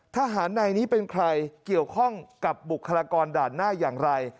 ทหารในนี้เป็นใครเกี่ยวข้องกับบุคลากรด่านหน้าอย่างไร